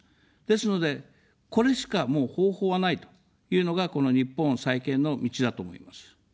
ですので、これしかもう方法はないというのが、この日本再建の道だと思います。